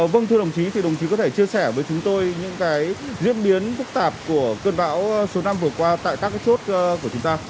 vâng thưa đồng chí thì đồng chí có thể chia sẻ với chúng tôi những diễn biến phức tạp của cơn bão số năm vừa qua tại các chốt của chúng ta